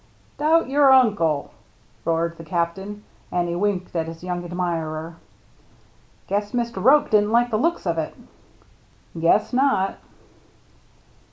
" Doubt your uncle !" roared the Captain. And he winked at his young admirer. "Guess Mr. Roche didn't like the looks of it." "Guess not."